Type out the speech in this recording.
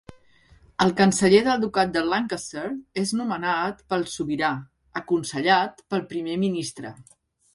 El Canceller del ducat de Lancaster és nomenat pel Sobirà, aconsellat pel Primer Ministre.